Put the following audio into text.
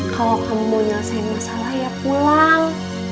kalo kamu mau nyelesain masalah ya pulang